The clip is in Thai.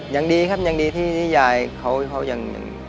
ยังดีครับยังดีที่ยายเขายัง